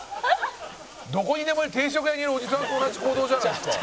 「どこにでもいる定食屋にいるおじさんと同じ行動じゃないですか」